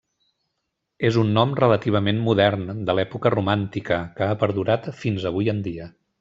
És un nom relativament modern, de l'època romàntica, que ha perdurat fins avui en dia.